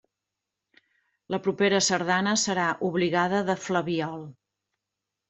La propera sardana serà obligada de flabiol.